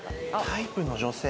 タイプの女性。